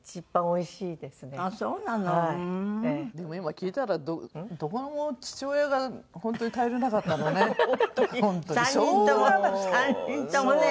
でも今聞いたらどこも父親が本当に頼りなかったんだね。